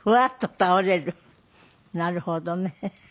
なるほどね。